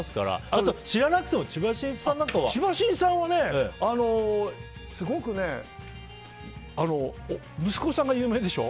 あと、知らなくても千葉真一さんはねすごく息子さんが有名でしょ？